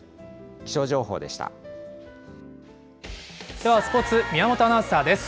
ではスポーツ、宮本アナウンサーです。